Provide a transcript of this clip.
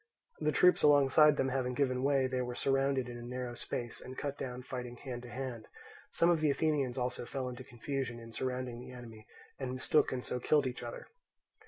The troops alongside them having given way, they were surrounded in a narrow space and cut down fighting hand to hand; some of the Athenians also fell into confusion in surrounding the enemy and mistook and so killed each other.